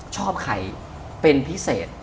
ชอบใครเป็นพิเศษ